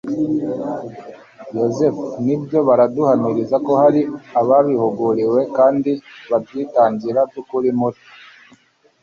yozefu nibyobyiza baraduhamiriza ko hari ababihuguriwe kandi babyitangira by'ukuri muri